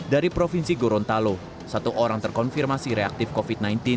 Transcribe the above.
dari provinsi gorontalo satu orang terkonfirmasi reaktif covid sembilan belas